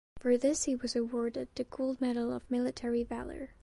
For this he was awarded the Gold Medal of Military Valor.